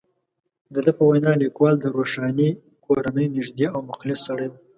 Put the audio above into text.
د ده په وینا، لیکوال د روښاني کورنۍ نږدې او مخلص سړی وو.